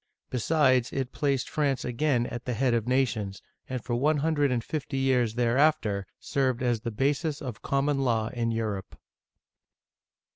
Besides, it placed France again at the head of nations, and for one hundred and fifty years there after served as " the basis of common law in Europe.